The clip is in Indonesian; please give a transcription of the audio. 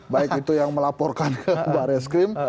baik itu yang melaporkan ke barreskrim